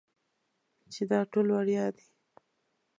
چې دا ټول وړيا دي.